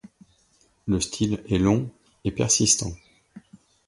Le style est long et persistant.